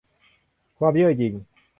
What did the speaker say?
ความเย่อหยิ่ง